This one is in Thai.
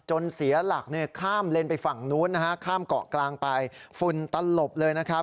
เสียหลักเนี่ยข้ามเลนไปฝั่งนู้นนะฮะข้ามเกาะกลางไปฝุ่นตลบเลยนะครับ